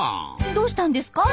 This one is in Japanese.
どうしたんですか？